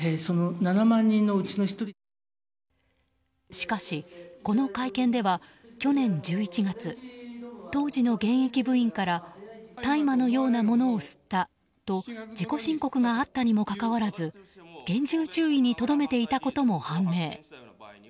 しかしこの会見では去年１１月当時の現役部員から大麻のようなものを吸ったと自己申告があったにもかかわらず厳重注意にとどめていたことも判明。